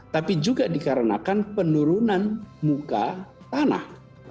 tapi juga dikarenakan penurunan muka tanah